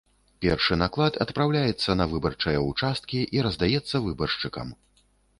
Першы наклад адпраўляецца на выбарчыя ўчасткі і раздаецца выбаршчыкам.